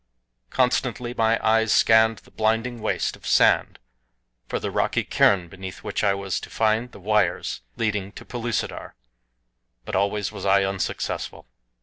Constantly my eyes scanned the blinding waste of sand for the rocky cairn beneath which I was to find the wires leading to Pellucidar but always was I unsuccessful.